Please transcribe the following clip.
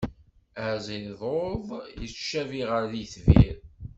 Aziḍud yettcabi ɣer yitbir.